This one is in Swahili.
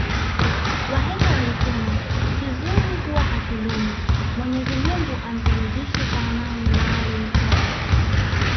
Wahenga walisema kizuri huwa hakidumu Mwenyezi Mungu ampumzishe kwa amani maalim self